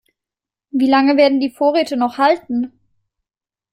Wie lange werden die Vorräte noch halten?